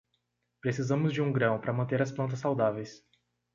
Precisamos de um grão para manter as plantas saudáveis.